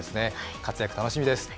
活躍楽しみです。